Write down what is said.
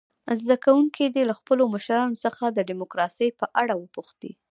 زده کوونکي دې له خپلو مشرانو څخه د ډموکراسۍ په اړه وپوښتي.